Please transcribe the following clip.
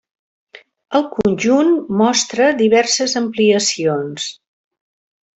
El conjunt mostra diverses ampliacions.